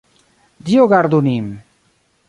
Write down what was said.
Dio gardu nin!